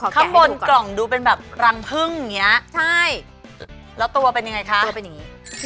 ข้างบนกล่องดูเป็นแบบรังผึ้งอย่างนี้